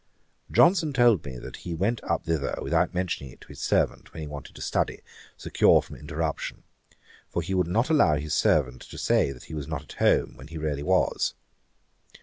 Johnson told me, that he went up thither without mentioning it to his servant, when he wanted to study, secure from interruption; for he would not allow his servant to say he was not at home when he really was.